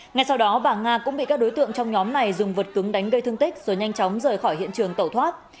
ngay sau đó bà nga cũng bị các đối tượng trong nhóm này dùng vật cứng đánh gây thương tích rồi nhanh chóng rời khỏi hiện trường tẩu thoát